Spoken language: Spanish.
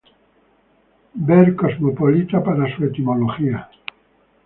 Ver "cosmopolita" para su etimología.